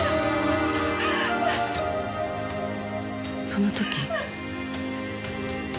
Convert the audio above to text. その時。